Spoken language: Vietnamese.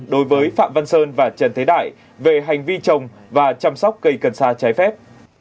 đối với phạm văn sơn và trần thế đại về hành vi trồng và chăm sóc cây cần sa trái phép